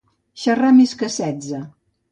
Xerrar més que setze.